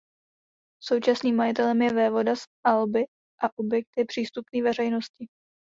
Současným majitelem je vévoda z Alby a objekt je přístupný veřejnosti.